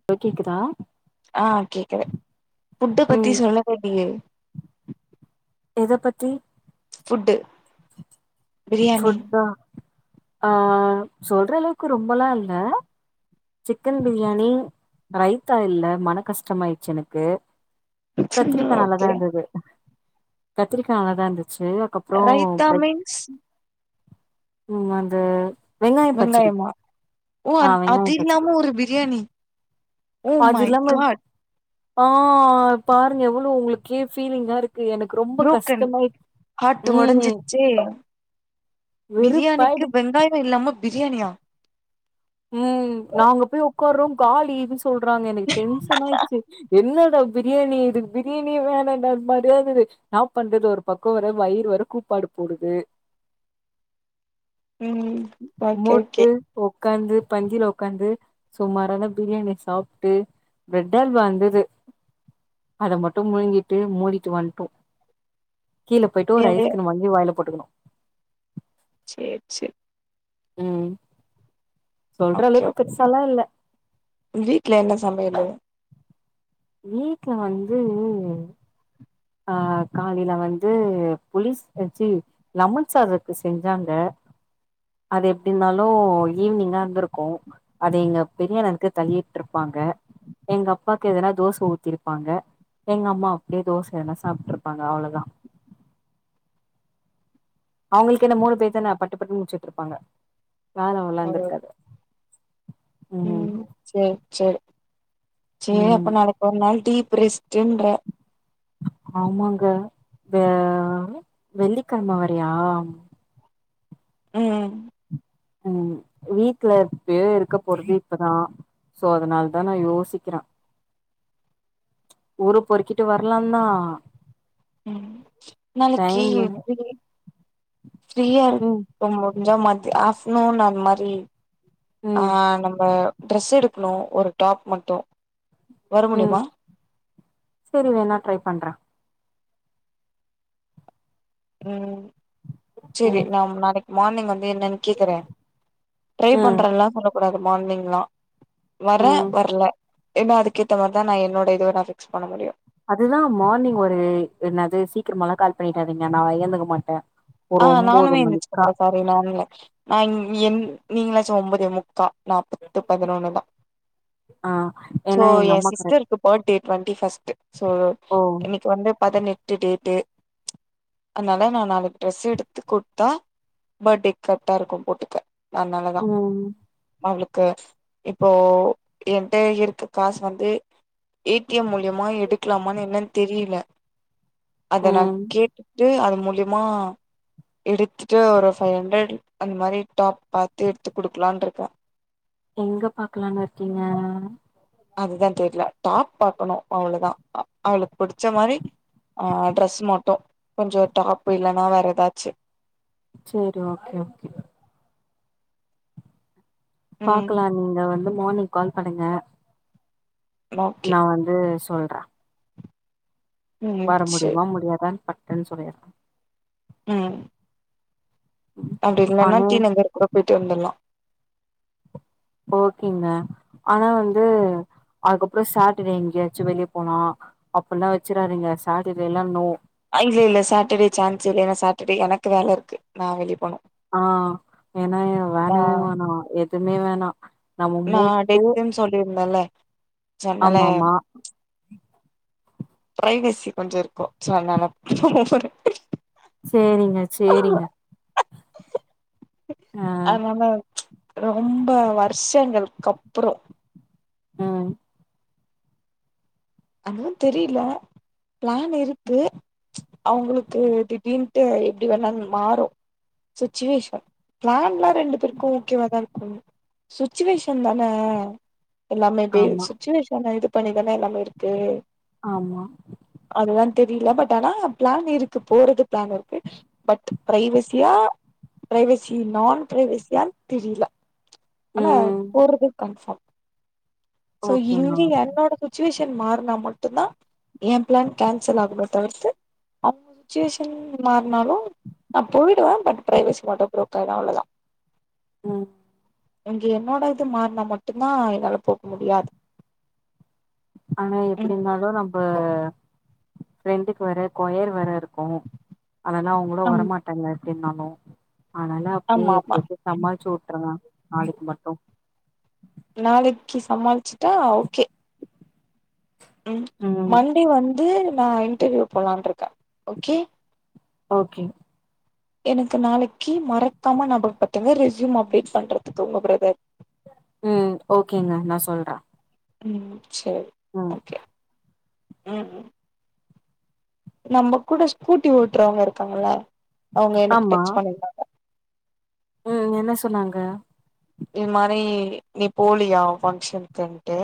இப்போ கேக்குதா ஆ கேக்குது ஃபுட்டு பத்தி ம் சொல்லவே இல்லயே எத பத்தி ஃபுட்டு பிரியாணி ஃபுட்டா அ சொல்ற அளவுக்கு ரொம்பல்லா இல்ல சிக்கன் பிரியாணி ரைத்தாயில்ல மன கஷ்டம் ஆயிடுச்சு எனக்கு கத்ரிக்கா நல்லதா ஓகே இருந்தது கத்திரிக்கா நல்லதா இருந்துச்சு அதுக்கப் ரைத்தா மீன்ஸ் ம் அந்த வெங்காய பச்சடி வெங்காயமா ஓ அ ஆ வெங்காய அது பச்சடி இல்லாம ஒரு பிரியாணி ஓ அது மை இல்லாம காட் ஆ பாருங்க எவ்ளோ உங்களுக்கே ஃபிலிங்கா இருக் புரோக்கன் ஹாட்டு ம் உடஞ்சிருச்சே வெறுப்பாயிடு பிரியாணிக்கு வெங்காய இல்லாம பிரியாணியா ம் நாங்க போய் உக்கார்றோ காலின்னு சொல்றாங்க எனக்கு டென்ஷன்னாயிடுச்சு என்னடா பிரியாணி இதுக் பிரியாணியே வேணான்டா மாரியா இருந்தது நா பண்றது ஒரு பக்கோ வேற வயிறு வேற கூப்பாடு போடுது ம் ஓகே ஓகே மொட்டு உக்காந்து பந்தில உக்காந்து சுமாராண பிரியாணிய சாப்ட்டு பிரெட்டல்வா இருந்தது அத மட்டு முழுங்கிட்டு மூடிட்டு வன்ட்டோ கீழே போயிட்டு ஒரு எது ஐஸ்கிரீம் வாங்கி வாயில போட்டுக்குணோ சேர் சேர் ம் ஓகே சொல்றளவுக்கு பெருசாலா இல்ல வீட்ல என்ன சமையலு வீட்ல வந்து ஆ காலையில வந்து புலீஸ் அ ச்சி லெமன் சாதருக்கு செஞ்சாங்க அது எப்படிருந்தாலு ஈவி்னிங்கா இருந்துருக்கு அது எங்க பெரிய அண்ணனுக்கு தள்ளி விட்டுருப்பாங்க எங்க அப்பாக்கு எதுனா தோச ஊத்திருப்பாங்க எங்க அம்மா அப்டியே தோச எதுனா சாப்ட்ருப்பாங்க அவ்ளோ தா அவுங்களுக்கு என்ன மூணு பேர் தான பட்டுப்பட்டுன்னு முடிச்சுட்டுருப்பாங்க வேல அவ்ளோ ஓ இருந்துருக்காது ம் சேர் சேர் சேரி ம் அப்ப நாளைக்கி ஓரு நாள் டீப் ரெஸ்ட்டுன்ற ஆமாங்க வெ வெள்ளிக்கழம வரீயா ம் ம் வீட்ல எப்பயே இருக்க போறது இப்பதா சோ அதனால தா நா யோசிக்கிறே ஊரு பொறுக்கிட்டு வர்லான்தா ம் நாளைக்கி டைம் ஃப்ரீயா இரு ம் க்கு முடிஞ்சா மதி ஆப்டர்நூன் அந்த் மாரி ஆ ம் நம்ப டிரஸ் எடுக்கணு ஒரு டாப் மட்டு வர முடியுமா சேரி வேணா ட்ரை பண்றே ம் ம் செரி நாம் நாளைக்கி மார்னிங் வந்து என்னன் கேக்கறே ட்ரை ம் பண்றல்லா சொல்ல கூடாது மார்னிங்லா வரே ம் வர்ல ஏன்னா அதுக்கேத்த மாரிதா நா என்னோட இதுவ நா பிக்ஸ் பண்ண முடியு அதுதா மார்னிங் ஒரு என்னாது சீக்கிரமல்லா கால் பண்ணிட்டாதீங்க நா ஏழுந்துக்க மாட்டே ஆ ஒரு ஒம்போது நானுமே ஏந்துச்சுக்க மணிக்கா மாட்டே சாரி நானுல்ல நா இங் எங் நீங்களாச்சு ஒம்பதே முக்கா நா பத்து பதினொன்னுதா ஆ சோ ஏன்னா எங்க ஏ அம்மா கரெக்ட் சிஸ்டருக்கு பர்ட்டே டுவென்டி ஃபஸ்ட்டு சோ ஓ இன்னைக்கி வந்து பதினெட் ட்டு டேட்டு அத்னால நா நாளைக் ட்ரெஸ் எடுத்து குட்த்தா பர்ட்டே கர்ட்டாருக்கு போட்டுக்க அன்னாலதா ம் அவளுக்கு இப்போ என்ட்ட இருக்கு காசு வந்து ஏ டி எம் மூலியமா எடுக்கலாமான்னு என்னன் தெரியல அத நா ம் கேட்டுட்டு அது மூலியம்மா எடுத்துட்டு ஒரு ஃபைவ் ஹண்ட்ரட் அந்த மாதிரி டாப் பாத்து எடுத்து குடுக்கலான்ட்ருக்கே எங்க பாக்கலான்னுருக்கீங்க அதுதா தெர்ல டாப் பாக்கணு அவ்ளோதா அ அவளுக் புடிச்ச மாரி ஆ ட்ரெஸ் மட்டு கொஞ்சோ டாப்பு இல்லன்னா வேறெதாச்சு சேரி ஓகே ஓகே ம் பாக்கலா நீங்க வந்து மார்னிங் கால் பண்ணுங்க ஓகே நா வந்து சொல்ற ம் வர சேரி முடியுமா முடியாதான் பட்டுன்னு சொல்லிடுற ம் அப்டி இல்லன்னா ஆனா டீ நகர் கூட போயிட்டு வந்துட்லா ஓகேங்க ஆனா வந்து அதுக்கப்புறோ சேட்டர்டே எங்கயாச்சு வெளிய போலா அப்பல்லா வச்சிறாதீங்க சாட்டர்டேல்லா நோ அ இல்ல இல்ல சாட்டர்டே சான்ஸ் இல்ல ஏனா சாட்டர்டே எனக்கு வேல இருக்கு நா வெளிய போனு ஆ ஏனா நா வேணவே வேணா எதுவுமே வேணா நம்ம மூட்டு சொல்லிருந்தேன்ல்ல சொன்னல ஆமாமா பிரைவேசி கொஞ்சோ இருக்கு சோ அதனால போற சேரிங்க சேரிங்க ஆ அதனால ரொம்ப வருஷங்களுக்கப்றோ ம் அதுவு தெரில பிளான் இருக்கு அவுங்களுக்கு திடீனுட்டு எப்டி வேனாலு மாறு சுச்சுவேஷன் பிளான்லா ரெண்டு பேருக்கு ஓகேவாதா இருக்கு சுச்சுவேஷன் தான எல்லாமே பே ஆமா சுச்சுவேஷன இது பண்ணிதான எல்லாமே இருக்கு ஆமா அதுதா தெரியல பட் ஆனா பிளான் இருக்கு போறது பிளான் இருக்கு பட் பிரைவசியா பிரைவசி நான் பிரைவசியான் தெரியல ஆனா ம் போர்றது கன்ஃபார்ம் சோ ஓகேங்க இங்கே என்னோட சுச்சுவேஷன் மார்னா மட்டுதா எ பிளான் கேன்சலாகுமே தவிர்த்து அவுங்க சுச்சுவேஷன் மார்னாலு நா போய்டுவ பட் பிரைவசி மட்டு ப்ரோக் ஆய்டு அவ்ளோதா ம் இங்க என்னோட இது மார்னா மட்டுந்தா என்னால போக முடியாது ஆனா எப்டி ம் இருந்தாலு நம்ப ஃப்ரெண்டுக்கு வேற கொயர் வேற இருக் கு அதலா அவுங்களு ஆம் வரமாட்டாங்க எப்டினாலோ அதனால அப்டே ஆமா ஆமா எப்டியாது சமாள்ச்சி உட்ருங்க நாளிக்கு மட்டு நாளிக்கு சமாள்ச்சிட்டா ஓகே ம் மண்டே வந்து நா இன்டர்வியூ போலான்ருக்க ஓகே ஓகேங் எனக்கு நாளிக்கு மறக்காம ஞாபகோ பத்துங்க ரெஸ்யூம் அப்டேட் பண்றதுக்கு உங்க பிரதர் ம் ஓகேங்க நா சொல்ற ம் சேரி ம் கே ம் ம் நம்ப கூட ஸ்கூட்டி ஓட்றவுங்க இருக்காங்கல அவுங்க எனக்கு ஆமா டெக்ஸ்ட் பண்ணிருந்தாங்க ம் என்ன சொன்னாங்க இது மாரி நீ போலியா அவ் ஃபங்ஷனுக்குன்டு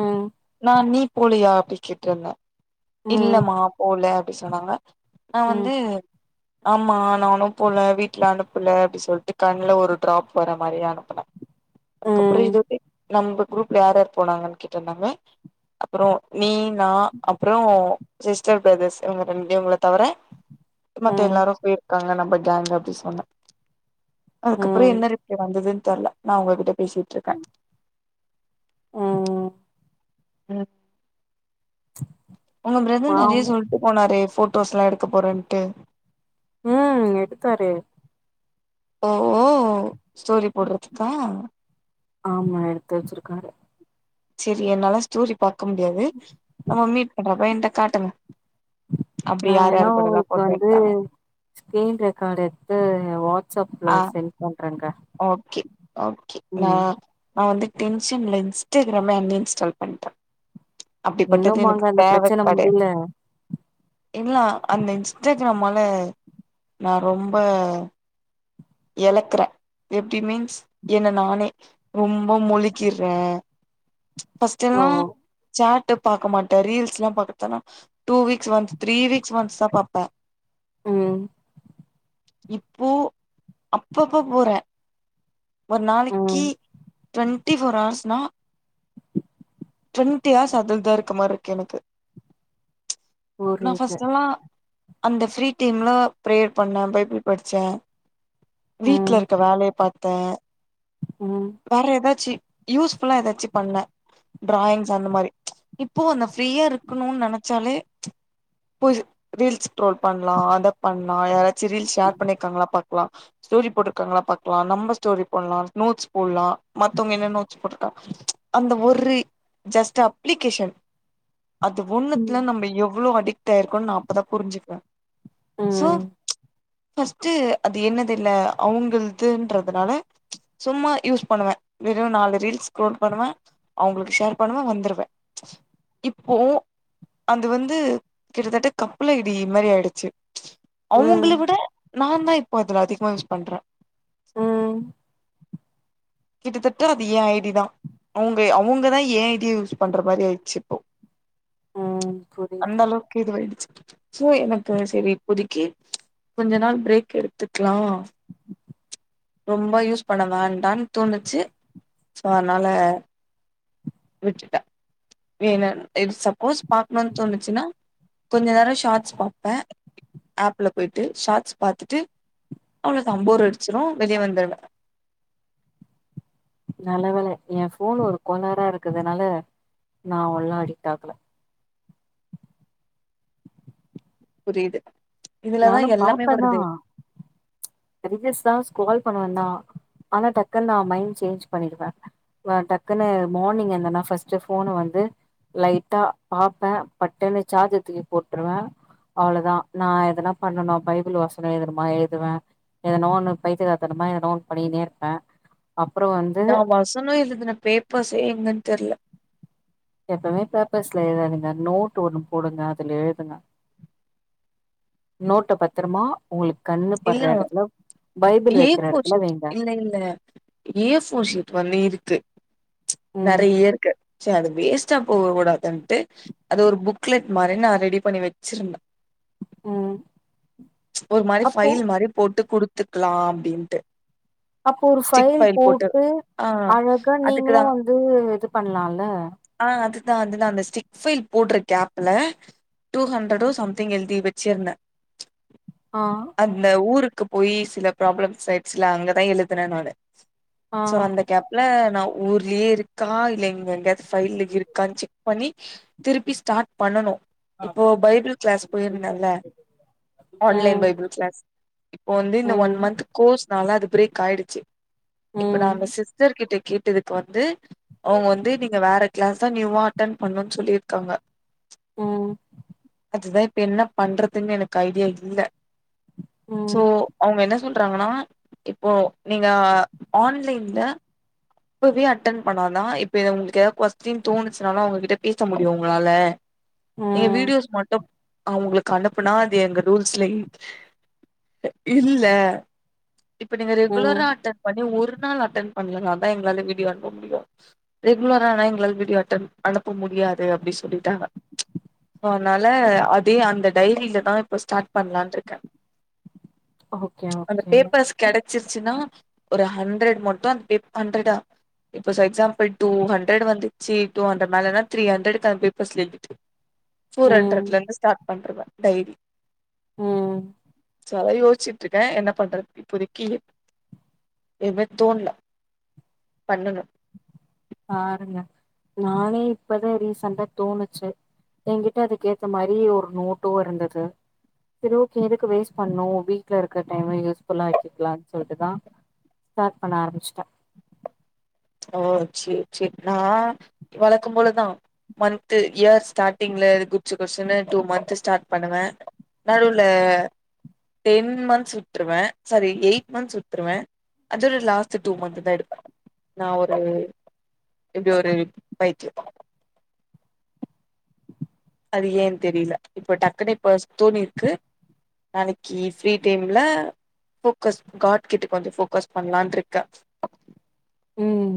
ம் நா நீ போலியா அப்டின் கேட்ருந்த ம் இல்லமா போல அப்டி சொன்னாங்க நா ம் வந்து ஆமா நானு போல வீட்ல அனுப்புல அப்டி சொல்டு கண்ல ஒரு ட்ராப் வர மாரி அனுபுனே அதுக்கப்றோ ம் எதுமே நம்ப குரூப்ல யாராரு போனாங்க கேட்ருந்தாங்க அப்றோ நீ நா அப்றோ சிஸ்டர் பிரதர்ஸ் இவங்க ரெண்டு இவங்கள தவற மத்த ம் எல்லாரோ போய்ர்க்காங்க நம்ப கேங்ல அப்டி சொன்ன அதுக்கப்றோ ம் என்ன ரிப்ளே வந்துதுன் தெர்ல நா உங்ககிட்ட பேசிட்ருக்கே ம் ம் ம் உங்க பிரதர் நெறய பாவோ சொல்ட் போனாரே போட்டோஸ்லா எடுக்க போறன்டு ம் எடுத்தாரே ஓ ஓ ஸ்டோரி போட்றதுக்கா ஆமா எடுத் வச்ருக்காரு சேரி என்னால ஸ்டோரி பாக்க முடியாது நம்ப மீட் பண்றப்பா என்கிட்ட காட்டுங்க அப்டி நா யார் வேனா யாரு கூடல்லா உங்ளுக்கு போட்டோ வந்து எடுத்தாங்க ஸ்கிரீன் ரெக்கார்ட் எட்த்து வாட் ஆ ஓகே ஓகே நா ம் நா வந்து டென்ஷன்ல இன்ஸ்டகிராமே அன் இன்ஸ்டால் பண்டே அப்டிபட்டது இன்னும் அங்க எனக் அந்த தேவ பிரச்சன கெடயா முடியல இல்ல அந்த இன்ஸ்டாகிரமால நா ரொம்ப எலக்றே எப்டி மீன்ஸ் என்ன நானே ரொம்ப மூழ்க்கிற்றே ஃபஸ்ட் ஓ எல்லா சாட் பாக்க மாட்ட ரீல்ஸ்லா பாத்தனா two weeks once three weeks once தா பாப்பே ம் இப்போ அப்பப்ப போறே ஒரு நாளிக்கி ம் டுவெண்ட்டி ஃபோர் ஹார்ஸ்னா ட்வெண்ட்டி ஹார்ஸ் அதுல்தா இருக்க மாரி இர்கு எனக்கு நா புரியுது பஸ்டல்லா அந்த ஃப்ரீ டைம்ல ப்ரேயர் பண்ணேன் பைபிள் படிச்சேன் வீட்ல ம் இருக்க வேலய பாத்தேன் ம் வேற ஏதாச்சி யூஸ்ஃபுல்லா ஏதாச்சி பண்ணேன் டிராயிங்ஸ் அந்த மாரி இப்போ அந்த ஃப்ரீயா இருக்கணும்னு நெனச்சாலே பு ரீல்ஸ் ஸ்ரோல் பண்ணலா த பண்ணலா யாராச் ரில்ஸ் ஷேர் பண்ணிருக்காங்களா பாக்கலா ஸ்டோரி போட்டுக்கங்களா பாக்கலா நம் ஸ்டோரி போடலாம் நோட்ஸ் போடலாம் மத்தவங்க என்ன நோட்ஸ் போட்டுக்காங்க அந்த ஒரு ஜஸ்ட் அப்ளிகேஷன் அது ம் ஒண்ணுத்துல நம்ப எவ்ளோ அடிக்ட் ட்டாயிருக்கோம்னு நா அப்பதா புரிஞ்சுக்கிறேன் சோ ம் ஃபர்ஸ்ட்டு அது என்னுது இல்ல அவங்களதுன்ற னால சும்மா யூஸ் பண்ணுவேன் வெறும் நாலு ரீல்ஸ் ஸ்ரோல் பண்ணுவேன் அவங்களுக்கு ஷேர் பண்ணுவேன் வந்துருவேன் இப்போ அது வந்து கிட்டத்தட்ட கப்புல் ஐடி மாறி ஆயிடுச்சு ம் அவங்கள விட நா தா இப்போ அதுல அதிகமா யூஸ் பண்ற ம் கிட்டத்தட்ட அது எ ஐடிதா அவங்க அவங்கதா ஏ ஐடிய யூஸ் பண்ற மாரி ஆயிடுச்சுப்போ ம் அந்த புரியுது அளவுக்கு இதுவாயிடுச்சு சோ எனக்கு சரி இப்போதிக்கு கொஞ்சோ நாள் பிரேக் எடுத்துக்கலா ரொம்ப யூஸ் பண்ண வேண்டான் தோணுச்சு சோ அனால விட்டுட்ட ஏன்னு இஃப் சப்போஸ் பாக்கணுன் தோணுச்சுனா கொஞ்சோ நேர ஷார்ட்ஸ் பாப்பே ஆப்ல போய்ட்டு ஷார்ட்ஸ் பாத்துட்டு அவ்ளோதா போர் அடிச்சுனா வெளிய வந்துருவ நல்ல வேல என் ஃபோன் ஒரு கோலாரா இருக்கதுனால நா அவ்ளல்லா அடிக்ட் ஆகல புரியுது இதுலதா நானு எல்லாமே வருதே பாப்பேதா ரீல்ஸ் எல்லா ஸ்க்ரோல் பண்ணுவ தா ஆனா டக்குன்னு நா மைண்ட் சேஞ்ச் பண்ணிடுவ டக்குன்னு மார்னிங் எந்தன்னா ஃபர்ஸ்ட் ஃபோன வந்து லைட்டா பாப்ப பட்டுன்னு சார்ஜ தூக்கி போட்ருவ அவ்ளோதா நா எதனா பண்ணனு பைபிள் வசன எழுதுணுமா எழுதுவே எதனா ஒன்னு பைத்தியகாரத்தனமா எதோ ஒன்னு பண்ணினே இருப்ப அப்ற வந்து வசன எழுதுன பேப்பர்ஸே எங்கன் தெர்ல எப்பவுமே பேப்பர்ஸ்ல எழுதாதிங்க நோட்டு ஒன்னு போடுங்க அதுல எழுதுங்க நோட்ட பத்திரமா உங்களுக்கு கண்ணு படுற இல்ல இடத்துல பைபிள் ஏ வைக்கிற ஃபோர் இடத்துல ஷீட் வைங்க இல்ல இல்ல ஏ ஃபோர் ஷீட் வந்து இருக்கு ம் நெறய இருக்கு சரி அது வேஸ் பச்சா போக கூடாதுன்ட்டு அது ஒரு புக்லெட் மாரி நான் ரெடி பண்ணி வச்சிருந்த ம் ஒரு மாரி அப்போ ஃபைல் மாரி போட்டு குடுத்துக்கலா அப்டின்ட்டு அப்ப ஒரு ஃபைல் போட்டு ஆ அழகா நீங்களு அதுக்குதா வந்து இது பண்லால ஆ அதுதா அதுதா அந்த ஸ்டிக் ஃபைல் போடுற கேப்ல டூ ஹண்ட்ரடோ சம்திங் எழுதி வச்சுருந்த ஆ அந்த ஊருக்கு போய் சில ப்ராப்ளம்ஸ் ஆயிட்ச்சுல அங்கதா எழுதுன நானு ஆ கேப்ல நா ஊர்லயே இருக்கா இல்ல இங்க எங்கேயாது ஃபைல்ல இருக்கான் செக் பண்ணி திருப்பி ஸ்டார்ட் பண்ணணு இப்போ பைபிள் கிளாஸ் போயிருந்தல்ல ஆன்லைன் ம் பைபிள் கிளாஸ் இப்போ வந்து இந்த ம் ஒன் மந்த் கோர்ஸ்னால அது பிரேக் ஆயிடுச்சு இப்ப நா ம் அந்த சிஸ்டர் கிட்ட கேட்டதுக்கு வந்து அவங்க வந்து நீங்க வேற கிளாஸா நியூ வா அட்டென் பண்ணுன் சொல்லிருக்காங்க ஆ அதுதா இப்ப என்ன பண்றதுன் எனக்கு ஐடியா இல்ல சோ ம் அவங்க என்ன சொல்றாங்கனா இப்போ நீங்க ஆன்லைன்ல இப்பவே அட்டன் பண்ணாதா இப்ப இத உங்களுக்கு ஏதா கொஸ்டின் தோணுச்சுனாலு உங்ககிட்ட பேச முடியு உங்களால எ ம் வீடியோஸ் மட்டு அவங்களுக்கு அனுப்புனா அது எங்க ரூல்ஸ்ல இ இல்ல இப்ப நீங்க ம் ரெகுலரா அட்ட பண்ணி ஒரு நாள் அட்டென் பண்லனா தா எங்களால வீடியோ அனுப்ப முடியு ரெகுலரா ஆனா எங்களால வீடியோ அட்டன் அனுப்ப முடியாது அப்டி சொல்லிட்டாங்க சோ அனால அதே அந்த டைரில தா இப்போ ஸ்டாட் பண்லான்ருக்க ஓகே அந்த ஓகேங்க பேப்பர்ஸ் கெடைச்சிரு ச்சுனா ஒரு ஹண்ட்ரட் மட்டு அந்த பேப் ஹண்ட்ரடா இப்ப ச எக்ஸாம்புள் டூ ஹண்ட்ரட் வந்துச்சு டூ ஹண்ட்ரட் மேலனா த்ரீ ஹண்ட்ரட்கா பேப்பர்ஸ்ல எழுதிட் ஃபோர் ம் ஹண்ட்ரட்ல இருந்து ஸ்டார்ட் பண்றுவ டைரி ம் சோ அதா யோசிச்சிட்ருக்கே என்ன பண்ற இப்போதைக்கி எபே தோண்ல பண்ணணு ஆ ஆரம்பிங்க நானே இப்பதா ரீசன்டா தோணுச்சு ஏங்கிட்ட அதுக்கு ஏத்த மாரி ஒரு நோட்டு இருந்துது சேரி ஓக்கே எதுக்கு வேஸ் பண்ணூ வீட்ல இருக்க டைம் யூஸ்ஃபுல்லா ஆக்கிக்கலானு சொல்ட்டுதா ஸ்டாட் பண்ண ஆரமிச்ட்டே ஓ சேரி சேரி நா வழக்கம் போலதா மந்த்து இயர் ஸ்டாட்டிங்க்ல குட்ஸு குட்ஸுசுன்னு டூ மந்த்து ஸ்டார்ட் பண்ணுவே நடுவுல டென் மந்த்ஸ் விட்ருரவே சாரி எயிட் மந்த்ஸ் விட்ருவே அதோட லாஸ்ட்டு டூ மந்த் தா எடுப்ப நா ஒரு இப்டி ஒரு பயிற்சி அது ஏன் தெரில இப்ப டக்குனு இப்ப ஸ்தூணி இருக்கு நாளக்கி ஃப்ரீ டைம்ல ஃபோக்கஸ் காட் கிட்ட கொஞ்ச ஃபோக்கஸ் பண்லான்ட்ருக்க ம்